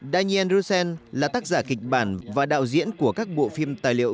diane rousseau là tác giả kịch bản và đạo diễn của các bộ phim tài liệu